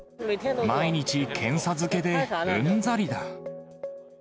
毎日検査漬けで、うんざりだ。